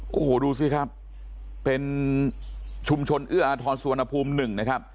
โอ้โหดูสิครับเป็นชุมชนเอื้ออาทรสุวรรณภูมิหนึ่งนะครับ